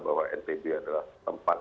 bahwa ntb adalah tempat